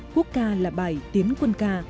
quốc ca là bài tiến quân ca